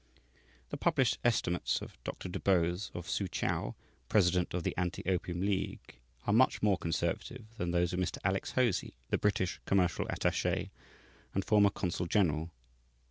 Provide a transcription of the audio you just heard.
The published estimates of Dr. Du Bose, of Soochow, president of the Anti opium League, are much more conservative than those of Mr. Alex Hosie, the British commercial attaché and former consul general.